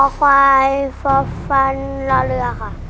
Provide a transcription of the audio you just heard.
ขอไขว้ฝันรอเรือค่ะ